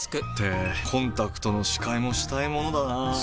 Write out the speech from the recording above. ってコンタクトの視界もしたいものだなぁ。